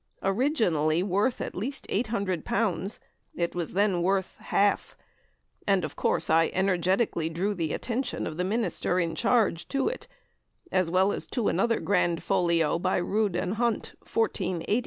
Originally worth at least L800, it was then worth half, and, of course, I energetically drew the attention of the minister in charge to it, as well as to another grand Folio by Rood and Hunte, 1480.